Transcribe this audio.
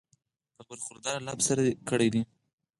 پۀ برخوردار لفظ سره کړی دی